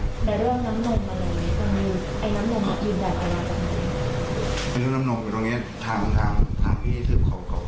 เรื่องน้ำนมอยู่ตรงเนี้ยทางทางทางทางที่สืบเขาก็